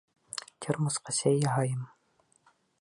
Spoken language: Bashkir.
-Термосҡа сәй яһайым.